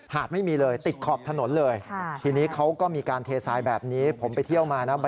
หาดไม่มีเลยติดขอบถนนเลย